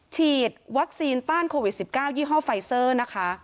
ฉีดวัคซีนต้านโควิด๑๙ยี่ห้อไฟเซอร์นะคะ